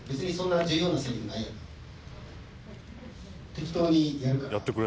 適当にやるから。